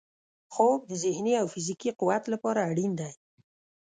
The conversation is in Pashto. خوب د ذهني او فزیکي قوت لپاره اړین دی